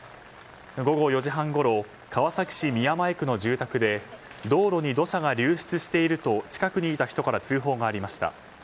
午後４時半ごろ川崎市宮前区の住宅で道路に土砂が流出していると近くにいた人から通報がありました。